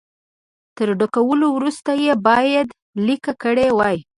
تر ډکولو وروسته یې باید لیکه کړي وای.